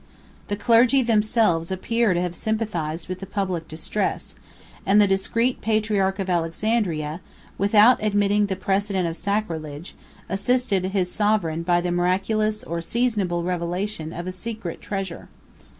The clergy themselves appear to have sympathized with the public distress; and the discreet patriarch of Alexandria, without admitting the precedent of sacrilege, assisted his sovereign by the miraculous or seasonable revelation of a secret treasure.